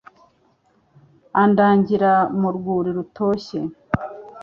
Andagira mu rwuri rutoshye